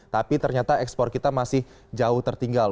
tapi ternyata ekspor kita masih jauh tertinggal